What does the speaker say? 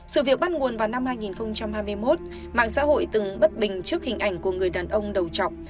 sự việc bắt nguồn vào năm hai nghìn hai mươi một mạng xã hội từng bất bình trước hình ảnh của người đàn ông đầu chọc